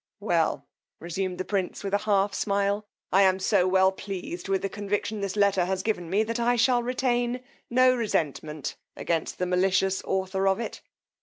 Well, resumed the prince with a half smile, I am so well pleased with the conviction this letter has given me, that I shall retain no resentment against the malicious author of it.